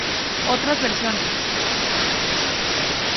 Otras Versiones